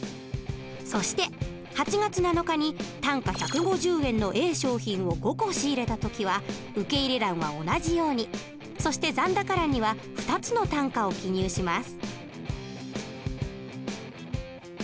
そして８月７日に単価１５０円のＡ商品を５個仕入れた時は受入欄は同じようにそして残高欄には２つの単価を記入します。